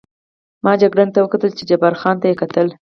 ما جګړن ته وکتل، چې جبار خان ته یې کتل.